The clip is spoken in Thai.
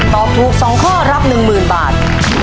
ตอบถูก๒ข้อรับ๑๐๐๐บาท